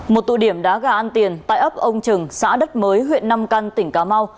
một tụ điểm đá gà ăn tiền tại ấp ông trừng xã đất mới huyện nam căn tỉnh cà mau